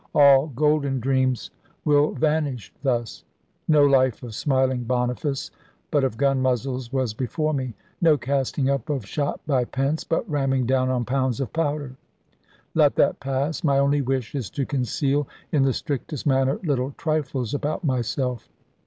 All golden dreams will vanish thus; no life of smiling Boniface, but of gun muzzles was before me; no casting up of shot by pence, but ramming down on pounds of powder. Let that pass; my only wish is to conceal, in the strictest manner, little trifles about myself.